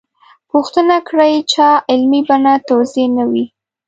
پوښتنه کړې چا علمي بڼه توضیح نه وي.